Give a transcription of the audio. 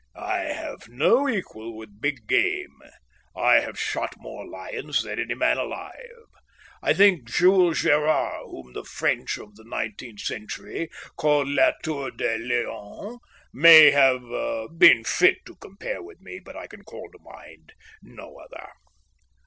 "I have no equal with big game. I have shot more lions than any man alive. I think Jules Gérard, whom the French of the nineteenth century called Le Tueur de Lions, may have been fit to compare with me, but I can call to mind no other."